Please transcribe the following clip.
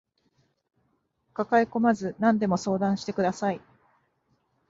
抱えこまず何でも相談してください